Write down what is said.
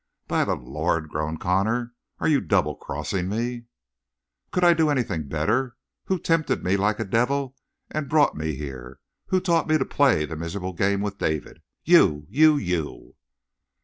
"By the Lord!" groaned Connor. "Are you double crossing me?" "Could I do anything better? Who tempted me like a devil and brought me here? Who taught me to play the miserable game with David? You, you, you!"